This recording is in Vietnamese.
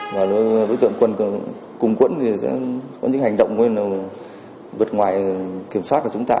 và đối tượng quân cùng quẫn thì sẽ có những hành động vượt ngoài kiểm soát của chúng ta